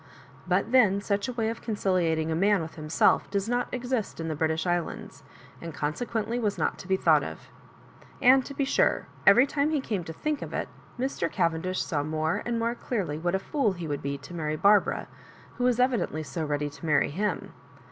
But then such a way of conciliating a man with himself does not exist in the British Islands, and conse quently was not to be thought of And to be sure, every time he came to think of it, Mr. Cavendish saw more and more clearly what a fool he would be to marry Barbara, who was evidently so ready to marry him.